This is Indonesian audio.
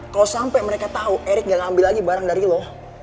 kalo sampe mereka tau erick gak ngambil lagi barang dari lo